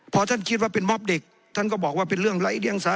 พอท่านคิดว่าเป็นมอบเด็กท่านก็บอกว่าเป็นเรื่องไร้เดียงสา